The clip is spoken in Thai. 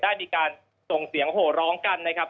ได้มีการส่งเสียงโหร้องกันนะครับ